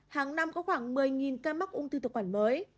hàng năm có khoảng một mươi ca mắc ông thư thực quản mới